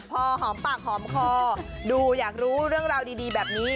พอหอมปากหอมคอดูอยากรู้เรื่องราวดีแบบนี้